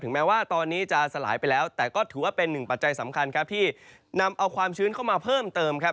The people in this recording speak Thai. แม้ว่าตอนนี้จะสลายไปแล้วแต่ก็ถือว่าเป็นหนึ่งปัจจัยสำคัญครับที่นำเอาความชื้นเข้ามาเพิ่มเติมครับ